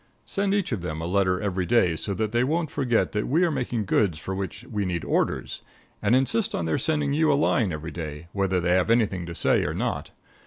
Send each of them a letter every day so that they won't forget that we are making goods for which we need orders; and insist on their sending you a line every day, whether they have anything to say or not.